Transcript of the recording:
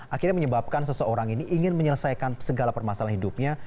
akhirnya menyebabkan seseorang ini ingin menyelesaikan segala permasalahan hidupnya